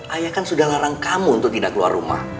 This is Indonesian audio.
ayah kan sudah larang kamu untuk tidak keluar rumah